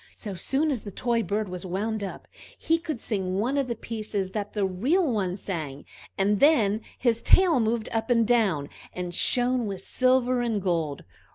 So soon as the toy bird was wound up, he could sing one of the pieces that the real one sang, and then his tail moved up and down, and shone with silver and gold.